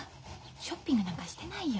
ショッピングなんかしてないよ。